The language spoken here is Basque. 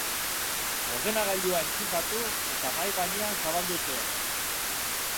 Ordenagailua entxufatu eta mahai gainean zabaldu zuen.